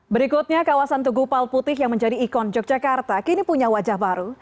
berikutnya kawasan tugu palputih yang menjadi ikon yogyakarta kini punya wajah baru